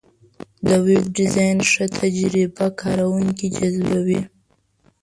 د ویب ډیزاین ښه تجربه کارونکي جذبوي.